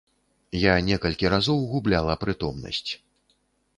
Я некалькі разоў губляла прытомнасць.